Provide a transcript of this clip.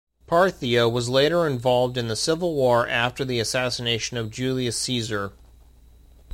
Parthia was later involved in the civil war after the assassination of Julius Caesar.